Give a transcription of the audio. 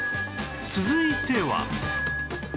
続いては